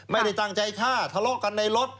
ไม่ได้ตั้งใจฆ่าทะเลาะกันในรถ